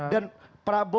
dan prabowo adalah